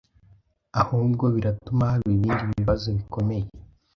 ahubwo biratuma haba ibindi bibazo bikomeye,